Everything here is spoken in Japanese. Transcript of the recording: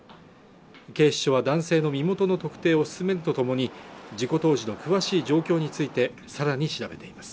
警視庁は男性の身元の特定を進めるとともに事故当時の詳しい状況についてさらに調べています